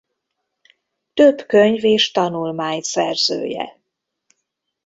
Több könyv és tanulmány szerzője.